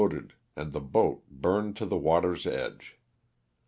ded and the boat burned to the water's edge.